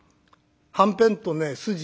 「『はんぺん』とね『すじ』」。